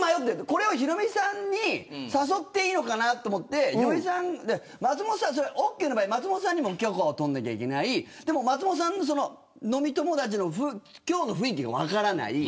これをヒロミさんに誘っていいのかと思って松本さんがオーケーの場合松本さんにも許可を取らなければいけないでも飲み友達の今日の雰囲気が分からない。